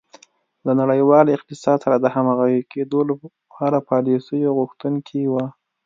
له نړیوال اقتصاد سره د همغږي کېدو لپاره پالیسیو غوښتونکې وه.